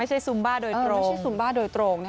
ไม่ใช่ซุมบ้าโดยตรง